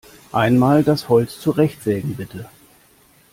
Einmal das Holz zurechtsägen, bitte!